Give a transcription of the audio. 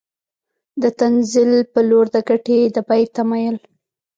د تنزل په لور د ګټې د بیې تمایل